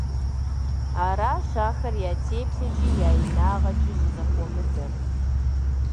Аращ ахэр я теплъэкIи я инагъкIи щIызэхуэмыдэр.